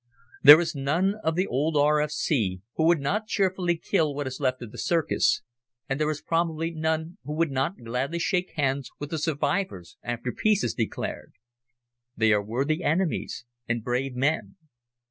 There is none of the old R.F.C. who would not cheerfully kill what is left of the "circus," and there is probably none who would not gladly shake hands with the survivors after peace is declared. They are worthy enemies and brave men.